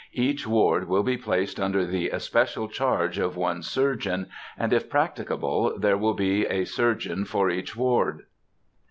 Each ward will be placed under the especial charge of one surgeon, and, if practicable, there will be a surgeon for each ward.